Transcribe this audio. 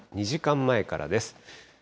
２時間前からです。